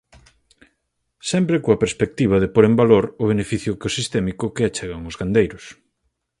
Sempre coa perspectiva de pór en valor o beneficio ecosistémico que achegan os gandeiros.